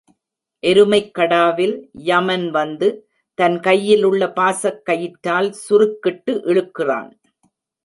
எருமைக் கடாவில் யமன் வந்து, தன் கையிலுள்ள பாசக் கயிற்றால் சுருக்கிட்டு இழுக்கிறான்.